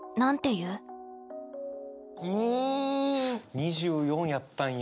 ２４やったんや。